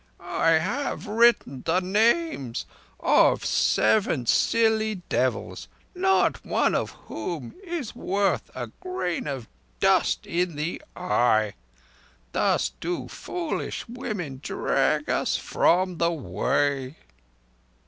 "I have written the names of seven silly devils—not one of whom is worth a grain of dust in the eye. Thus do foolish women drag us from the Way!"